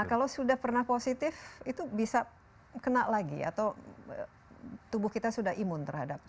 kalau sudah pernah positif itu bisa kena lagi atau tubuh kita sudah imun terhadap